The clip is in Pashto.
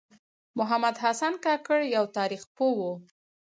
محمد حسن کاکړ یوه تاریخ پوه و .